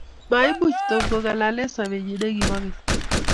Maimuchi Tom kongalale sobenyi nekibo keny